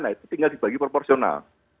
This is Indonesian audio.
nah itu tinggal dibagi proporsional